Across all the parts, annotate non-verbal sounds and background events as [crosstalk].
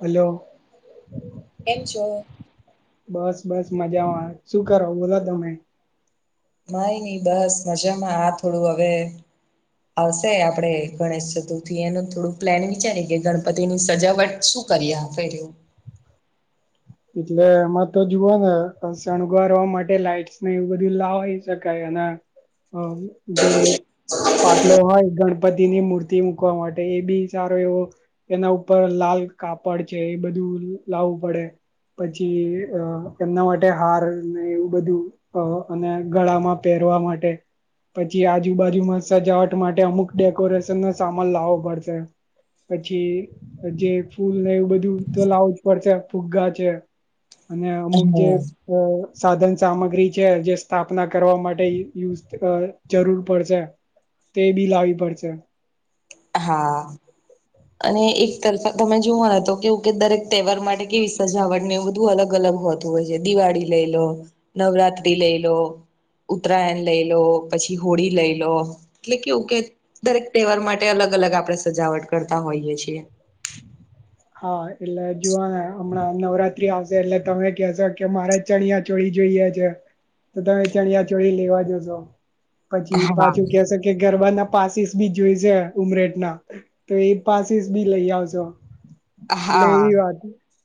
Hello એો બસ બસ મજામાં શું કરો બોલો તમે મય નહી બસ મજામાં આ થોડું હવે આવશે આપડે ગણેશ ચતુર્થી એનું થોડું પ્લાન વિચારીએ કે ગણપતિ ની સજાવટ શું કરીિયા ફેર એટલે એમાં તો જુઓ ને શણગરવા માટે લાઈટસ ને એવું બધું લાવવાય શકાય એના જે પાટલો હોય ગણપતિ ની મૂર્તિ મૂકવા માટે એ બી સારો એવો એના ઉપર લાલ કાપડ છે એ બધું લાવવું પડે પછી અ એમના માટે હાર ને એવું બધું અને ગળામાં પહેરવા માટે પછી આજુબાજુમાં સજાવટ માટે અમુક ડેકોરેશન ન સામાન લાવવો પડશે પછી જે ફૂલ ને એવું બધું તો લાવું જ પડશે ફૂગગા છે અને અમુક હમ જે અ સાધન સામગ્રી છે જે સ્થાપના કરવા માટે યુ યુઝ જરૂર પડશે તે બી લાવી પડશે હા અને એક તરફા તમે જોવા તો કેવું કે દરેક તહેવાર માટે કેવી સજાવડ ને એવું બધું અલગ અલગ હોત થતું હોય છે દિવાળી લઈ લો નવરાત્રી લઈ લો ઉત્તરાયણ લઈ લો પછી હોળી લઈ લો એટલે કેવું કે દરેક તહેવાર માટે અલગ અલગ આપણે સજાવટ કરતા હોઈએ છીએ [inaudible] હા એટલે જુવા ને હમણાં નવરાત્રી આવશે એટલે તમે કેશો કે મારે ચણિયા ચોળી જોઈએ છે તો તમે ચણિયા ચોળી લેવા જોશો પછી હા પાછું કે છે કે ગરબાના પાસીસ બી જોયશે ઉમરેટ ના તો એ પાસ એ બી લઈ આવજો એટલે હા એ વાત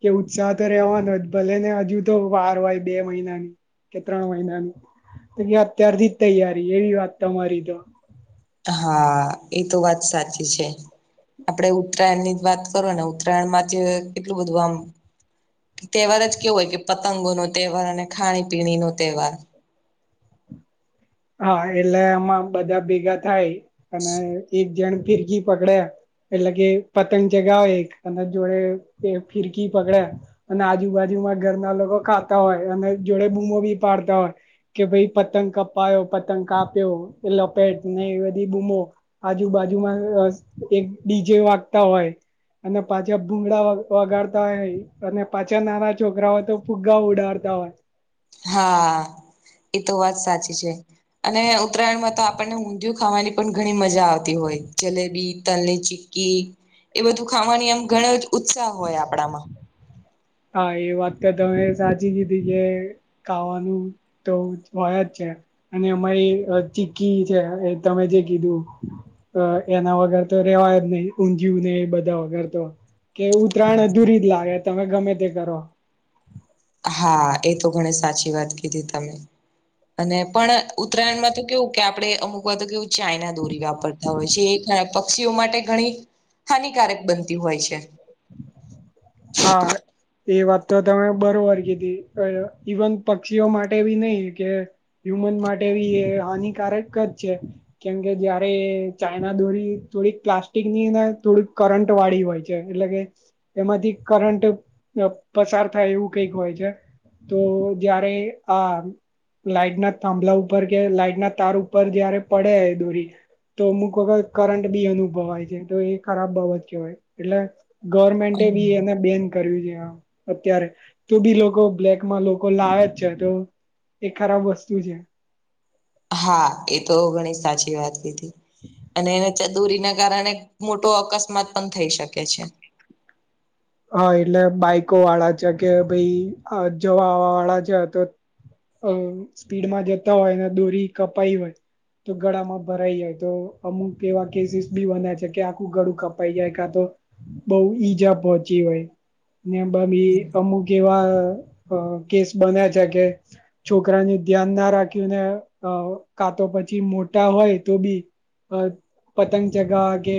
કે ઉત્સાહ તો રહેવાનો જ ભલે ને હજુ તો વાર હોય બે મહિનાની કે ત્રણ મહિનાની તો અત્યારથી જ તૈયારી એવી વાત તમારી તો હા એ તો વાત સાચી છે આપડણે ઉત્તરાયણ ની જ વાત કરો ને ઉત્તરાયણ માંથી કેટલું બધું આમ તહેવાર જ કેવું હોય કે પતંગો ન તહેવાર અને ખાણી પીણી નો તહેવાર હ એટલે આમાં બધા ભેગા થાય અને એક જણ ફીરકી પકડે એટલે કે પતંગ ચગાવે એક અને જોડે એ ફિરકી પકડે અને આજુબાજુમાં ઘરના લોકો ખાતા હોય અને જોડે બૂમો બી પાડતા હોય કે ભઈ પતંગ કપાયો પતંગ કાપ્યો લપેટ ને એવી બધી બૂમો આજુબાજુમાં અસ્ત એક ડીજે વાગતા હોય અને પાછા ભૂંગળા વગાડતા હોય અને પાછા નાના છોકરાઓય તો ફુગ્ગા ઉડાડતા હોય હા એતો વાત સાચી છે અને ઉત્તરાયણમાં તો આપણને ઊંધિયું ખાવાની પણ ઘણી મજા આવતી હોય જલેબી તલ ની ચીકી એ બધું ખાવાની એમ ઘણો જ ઉત્સાહ હોય આપણામાં હા એ વાત કર તમે સાચી કીધી કે ખાવાનું તો હોય જ છે અને અમારી ચીકી છે એ તમે જે કીધું હ એના વગર તો રેવાય જ નહીિ ઊંધિયું નહિ બધા વગર તો કે ઉત્તરાયણ અધૂરી જ લાગે તમે ગમે તે કરો હા એ તો ઘણી સાચી વાત કીધી તમે અને પણ ઉત્તરાયણમાં તો કેવું કે આપડણે અમુક વા તો કેવું ચાઈના દોરી વાપર હોય છે એ પક્ષીઓ માટે ઘણી હાનિકારક બનતી હોય છે હા એ વાત તો તમે બરોબર કીધી અ ઇવન પક્ષીઓ માટે બી નહી કે હ્યુમન માટે બી એ હાનિકારક જ છે કેમકે જયારે ચાયના દોરી થોડીક પ્લાસ્ટિકની થોડીક કરંટ વાળી હોય એટલે કે એમાંથી કરંટ પ પસાર થાય એવું કઈક હોય છે તો જયારે આ લાઈટના થાંભલા ઉપર કે લાઈટના તાર ઉપર જયારે પડે દોરી તો અમુક વખત કરંટ બી અનુભવાય છે તો એ ખરાબ બાબત કહેવાય એટલે ગવર્મેન્ટે બી હમ. એને બેન કર્યું છે અત્યારે તો બી લોકો બ્લેકમાં લોકો લાવે જ છે તો એ ખરાબ વસ્તુ છે હા એ તો ઘણી સાચી વાત કીધી અન એને દૂરી ના કારણે મોટો અકસ્માત પણ થઈ શકે છે હ એટલે બાઈકો વાળા છે કે ભાઈ જવા વાળા છે તો અ સ્પીડમાં જતા હોય અને દોરી કપાઈ હોય તો ગળામાં ભરાઈ જાય તો અમુક એવા કેસીસ બી બનાયા છે કે આખું ગળું કપાઈ જાય કા તો બહુ ઈજા પહોંચી હોય. ને બાબી અમુક એવા આ કેસ બનેયા છે કે છોકરાને ધ્યાન ના રાખીને કાતો પછી મોટા હોય તો બી આ પતંગ ચગાવવા કે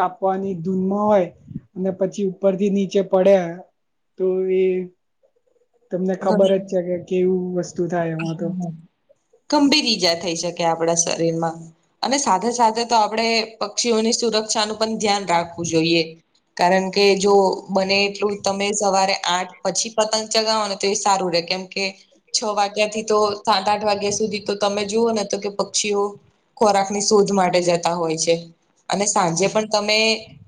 કાપવાની ધૂનમાં હોય. ને પછી ઉપરથી નીચે પડ્યા તો એ તમને ખબર ઘણી જ છે કે કેવું વસ્ત ગંભીર ઈજા થઈ શકે આપડા શરીર માં. અને સાથે સાથે તો આપણેે પક્ષીઓની સુરક્ષાનું પણ ધ્યાન રાખવું જોઈએ. કારણ કે જો બને એટલું તમે સવારે આઠ પછી પતંગ ચગાવો ને તો એ સારું રે કેમ કે છ વાગ તત્યાથી તો સાત આઠ વાગ્યા સુધી તો તમે જુઓ ને તો કે પક્ષીઓ ખોરાક ની શોધ માટે જતા હોય છે અને સાંજે પણ તમે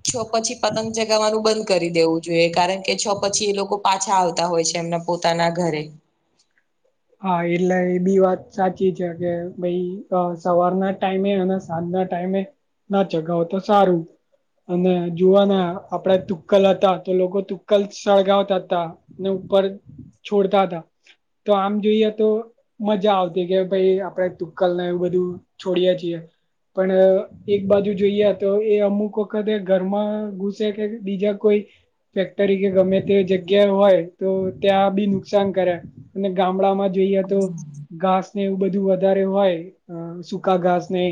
છ પછી પતંગ ચગાવાનું‌ બંધ કરી દેવું જોઈએ કારણ કે છ પછી એ લોકો પાછા આવતા હોય છે એમના પોતાના ઘરે. હા એટલે એ બી વાત સાચી છે કે ભાઈ સવારના ટાઈમે અને સાંજ ના ટાઈમે ના ચગાવો તો સારું. અને જોવાને આપડે તુક્કલ હતા તો લોકો તુક્કલ સળગાવતા હતા. ને ઉપર છોડતા હતા. તો આમ જોઈએ તો મજા આવતી કે ભાઈ આપડે તુક્કલને એવું બધું છોડીએ છીએ. પણ એક બાજુ જોઈએ તો એ અમુક વખતે ઘરમાં ઘુસે કે બીજા કોઈ ફેક્ટરી કે ગમે તે જગ્યાએ હોય તો ત્યાં બી નુકસાન કરે. ને ગામડામાં જોઈએ તો ઘાસ ને એવું બધું વધારે હોય આ સુકા ઘાસ ને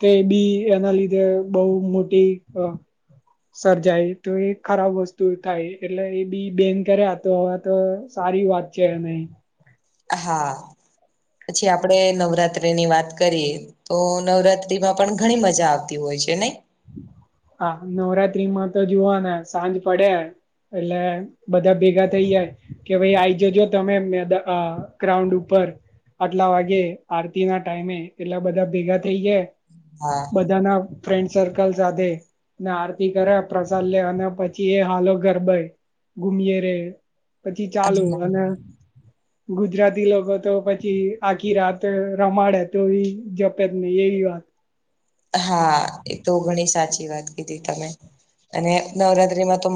તે બી એના લીધે બઉ મોટી આ સર્જાય તો એ ખરાબ વસ્તુ થાય એટલે એ બી બેન ક્યારે આતો હતો સારી વાત છે એને. હા પછી આપડે નવરાત્રી ની વાત કરીએ તો નવરાત્રીમાં પણ ઘણી મજા આવતી હોય છે નઈ. હા નવરાત્રીમાં તો જુવાન સાંજ પડે એટલે બધા ભેગા થઈ જાય કે ભાઈ આઈ જજો તમે મે આ ગ્રાઉન્ડ ઉપર આટલા વાગે આરતી ના ટાઈમે એટલા બધા ભેગા થઇ ગયા. હા બધા ના ફ્રેન્ડ સર્કલ સાથે ને આરતી કરે પ્રસાદ લે અને પછી એ હાલો ગરબય ગુમિયે રે પછી ચાલુ અને ગુજરાતી લોકો તો પછી આખી રાત રમાડે તો એ જપે જ નહી એવી વાત. હા એ તો ઘણી સાચી વાત. દીધી તમે અને નવરાત્રીમાં તો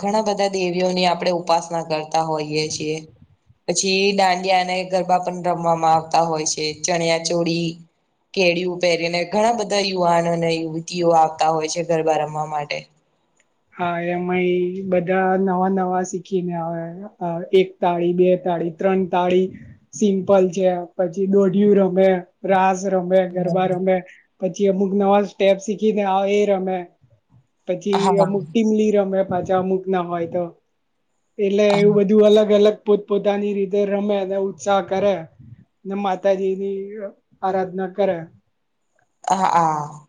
ઘણા બધા દેવીઓની આપડે ઉપાસના કર કરતા હોઈએ છીએ. પછી દાંડિયા અને ગરબા પણ રમવામાં આવતા હોય છે ચણિયા ચોળ કેળું પહેરીને ઘણા બધા યુવાનો અને યુવતીઓ આવતા હોય છે ગરબા રમવા માટે. હા એમાંય બધા નવા નવા શીખીને આવે. અ એક તાળી બે તાળી ત્રણ તાળી સિમ્પલ છે પછી દોઢિયું રમે રાસ રમે ગરબા રમે પછી અમુક નવા સ્ટેપ શીખીને આવ એ રમે. હા પછી હા અમુક ટીમલી રમ્યા પાછા અમુક ના હોય તો. એટલે એવું બધું અલગ અલગ પોત પોતાની રીતે રમે અને ઉત્સાહ કરે. ને માતાજી ની આરાધના કરે. હા હા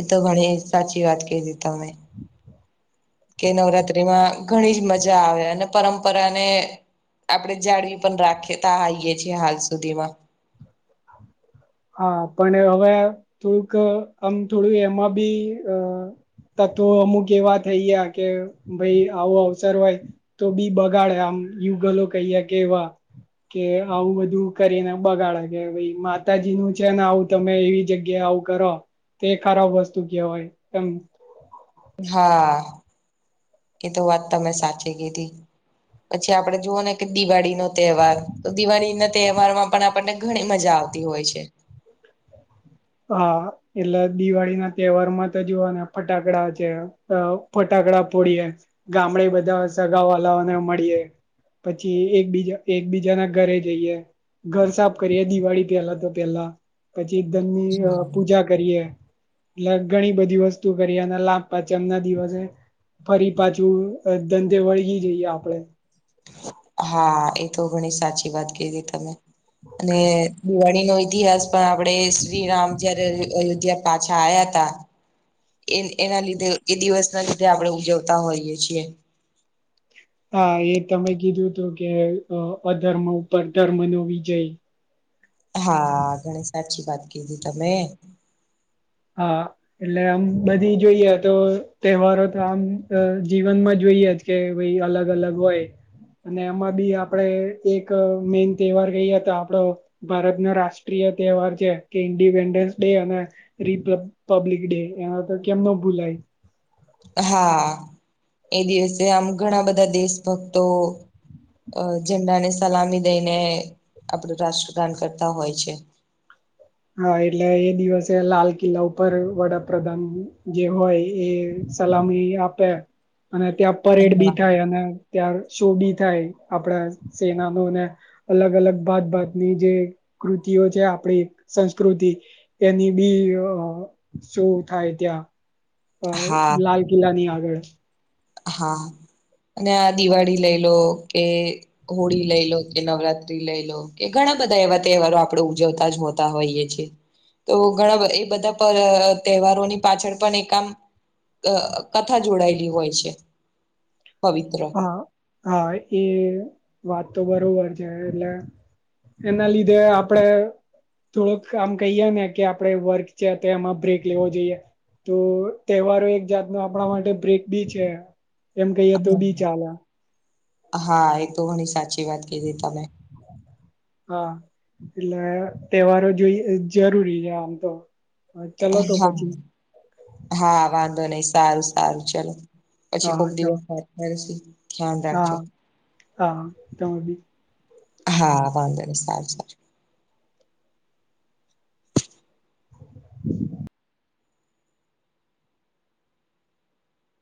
એતો ઘણી સાચી વાત કીધી તમે. કે નવરાત્રીમાં ઘણી જ મજા આવે અને પરંપરાને આપડણે જાળવી પણ રાખી ત આ આવીએ છીએ હાલ સુધી માં હા પણ હવે થોડુંક આમ થોડું એમાં બી અ તત્વો અમુક એવા થઈ ગયા કે ભાઈ આવો અવસર હોય તો બી બગાડે આમ યુગલો કહીએ કેવા કે આવું બધું કરીને બગાડે કે ભ માતાજી નું છે ને આવું તમે એવી જગ્યા આવું કરો તો એ ખરાબ વસ્તુ કેવાય કેમ હા એ તો વાત તમે સાચી કીધી પછી આપડે જુઓ ને કે દિવાળી ન તહેવાર તો દિવાળી ના તહેવાર માં પણ આપણને ઘણી મજા આવતી હોય છે. હા એટલે દિવાળી ના તહેવાર માં તો જોુવા ને ફટાકડા છે ફટાકડા ફોડીએ ગામડે બધા સગા વાળાઓને મળીએે પછી એકબીજા એકબીજાના ઘરે જઈએ ઘર સાફ કરીએ દિવાળી પેલા તો પેલા પછી ધમની પૂજા કરીએ એટલે ઘણી બધી વસ્તુ કરીએ અને લાંબ પાચમ ના દિવસે ફરી પાછું ધંધે વળગી જઈએ આપડે હા એ તો ઘણી સાચી વાત કીધી તમે અને દિવાળી નો ઇતિહાસ પણ આપડ શ્રીરામ જયારે અયોધ્યા પાછા આવ્યા ત એ એના લીધે એ દિવસ ના લીધે આપણે ઉજવતા હોઈએ છીએ હા એ તમે કીધું હતું કે અધર્મ ઉપર ધર્મ નો વિજય હા ઘણી સાચી વાત કીધી તમે હા એટલે આમ બધી જોઈએ તો તહેવારો તો આમ જીવનમાં જોઈએ જ કે ભાઈ અલગ અલગ હોય અને એમાં બી આપડે એક મેન તહેવાર કહીએ તો આપડો ભારતનો રાષ્ટ્રીય તહેવાર છે કે ઇન્ડિપેન્ડન્સ ડે અને રિપ પબ્લિક ડે એના તો કેમ ન ભૂલાય હા એ દિવસે આમ ઘણા બધા દેશભક્તો અ ઝંડા ને સલામી દઈને આપડું રાષ્ટ્રદાન કરતા હોય છે. હા એટલે એ દિવસે લાલ કિલ્લા ઉપર વડાપ્રધાન જે હોય એ સલામી આપે અને ત્યાં પરેડ બી હા થાય અને ત્યાાર શોભી થાય આપણા સેનાનોને અલગ અલગ ભતભાતની જે કૃતિઓ છે આપણે સંસ્કૃતિ એની બી શું થાય ત્યાં અ હા લાલ કિલ્લાની આગળ હા અને આ દિવાળી લઈ લો કે હોળી લઈ લો કે નવરાત્રી લઈ લો કે ઘણા બધા એવા તહેવારો આપણે ઉજવતા જ હોતા હોઈએ છીએ તો ઘણા એ બધા તહેવારોની પાછળ પણ એક આમ અ કથા જોડાયેલી હોય છે. પવિત્ર હા હા એ વાત તો બરોબર છે એટલે એના લીધે આપડે થોડોક આમ કહીએ ને કે આપડે વર્ક છે તો એમાં બ્રેક લેવો જોઈએ તો તહેવારો એક જાતનો આપણા માટે બ્રેક બી છે એમ કઈ હા એ તો ઘણી સાચી વાત કીધી તમે હા એટલે તહેવારો જોઈ જરૂરી છે આમ તો ચલો તો હા પછી હા વાંધો નહી સારું સારું ચલો. અછી હા ખોકડી ચલો વ સાર થસી હા હા તી હા વાંધો ન સારું સારું